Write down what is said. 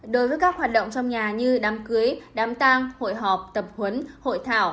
đối với các hoạt động trong nhà như đám cưới đám tang hội họp tập huấn hội thảo